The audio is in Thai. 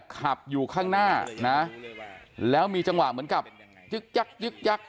ขับอยู่ข้างหน้านะแล้วมีจังหวะเหมือนกับยึกยักยึกยัก